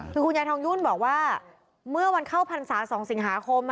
คือคุณยายทองยุ่นบอกว่าเมื่อวันเข้าพรรษา๒สิงหาคม